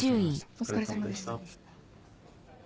お疲れさまでした。